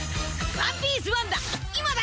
ワンピース「ワンダ」！